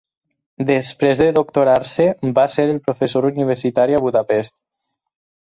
Després de doctorar-se va ser professor universitari a Budapest.